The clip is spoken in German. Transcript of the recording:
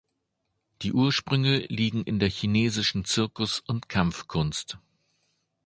Die Ursprünge liegen in der chinesischen Zirkus- und Kampfkunst.